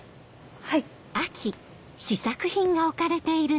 はい。